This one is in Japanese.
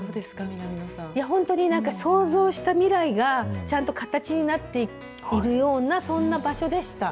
本当になんか、想像した未来がちゃんと形になっているような、そんな場所でした。